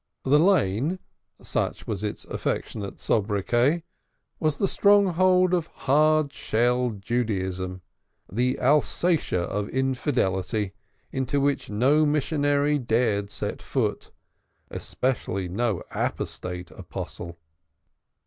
The Lane such was its affectionate sobriquet was the stronghold of hard shell Judaism, the Alsatia of "infidelity" into which no missionary dared set foot, especially no apostate apostle.